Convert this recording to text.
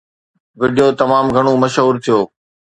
video تمام گهڻو مشهور ٿيو